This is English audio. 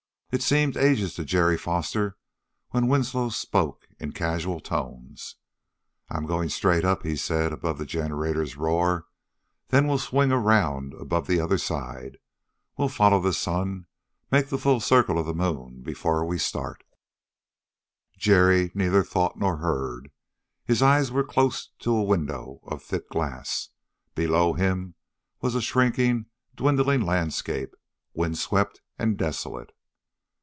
It seemed ages to Jerry Foster when Winslow spoke in casual tones. "I'm going straight up," he said, above the generator's roar. "Then we'll swing around above the other side. We'll follow the sun make the full circle of the moon before we start." But Jerry neither thought nor heard. His eyes were close to a window of thick glass. Below him was a shrinking, dwindling landscape, wind swept and desolate.